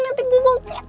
nanti gue bau petek